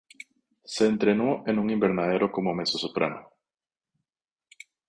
Se entrenó en un invernadero como mezzosoprano.